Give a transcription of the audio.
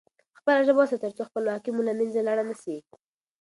خپله ژبه وساتئ ترڅو خپلواکي مو له منځه لاړ نه سي.